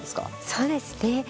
そうですね。